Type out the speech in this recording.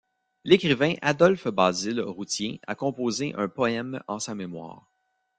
L'écrivain Adolphe-Basile Routhier a composé un poème en sa mémoire.